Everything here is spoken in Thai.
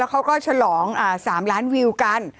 เขาก็ฉลอง๓ล้านวิวกัน